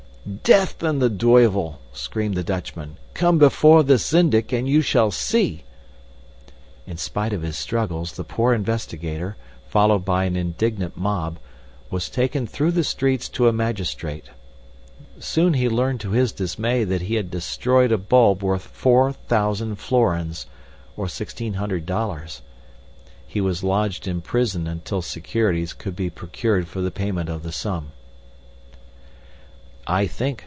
"Death and the tuyvel!" screamed the Dutchman, "come before the Syndic and you shall see!" In spite of his struggles the poor investigator, followed by an indignant mob, was taken through the streets to a magistrate. Soon he learned to his dismay that he had destroyed a bulb worth 4,000 florins ($1,600). He was lodged in prison until securities could be procured for the payment of the sum.} "Ha!